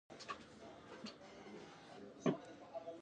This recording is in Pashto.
په زړه عربي ژبه کې د ث لفظ په ت ویل کیږي